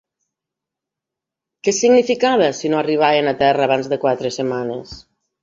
Què significava si no arribaven a terra abans de quatre setmanes?